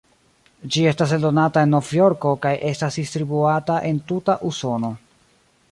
Ĝi estas eldonata en Novjorko kaj estas distribuata en tuta Usono.